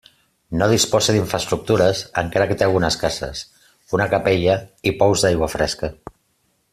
No disposa d'infraestructures, encara que té algunes cases, una capella i pous d'aigua fresca.